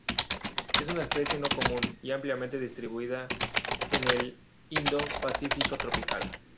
Es una especie no común y ampliamente distribuida en el Indo-Pacífico tropical.